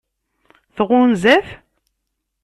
Tɣunza-t?